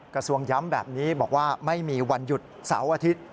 กระทรวงย้ำแบบนี้บอกว่าไม่มีวันหยุดเสาร์อาทิตย์